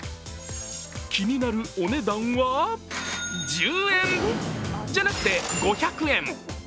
気になるお値段は１０円じゃなくて５００円。